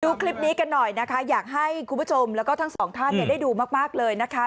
ดูคลิปนี้กันหน่อยนะคะอยากให้คุณผู้ชมแล้วก็ทั้งสองท่านได้ดูมากเลยนะคะ